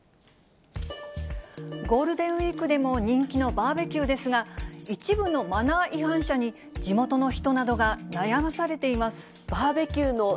ゴールデンウィークでも人気のバーベキューですが、一部のマナー違反者に、地元の人などが悩まされています。